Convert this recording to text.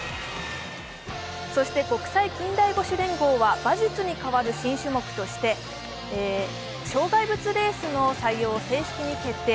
国際近代五種連合は馬術に代わる新種目として障害物レースの採用を正式に決定。